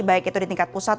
baik itu di tingkat pusat